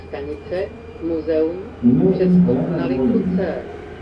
ine in hayanan mooyanimi